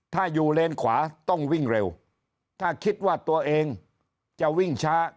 ถ้าอยู่เลนขวาต้องวิ่งเร็วถ้าคิดว่าตัวเองจะวิ่งช้า